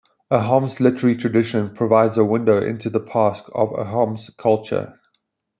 Ahom's literary tradition provides a window into the past, of Ahom's culture.